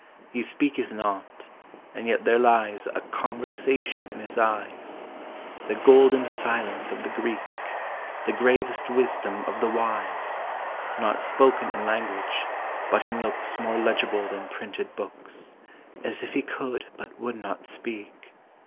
He speaketh not, and yet there lies A conversation in his eyes; The golden silence of the Greek, 24 POEMS OF HOME. The gravest wisdom of the wise, Not spoken in language, but in looks More legible thau printed books, As if he could but would not speak.